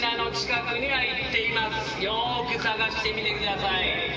よく捜してみてください。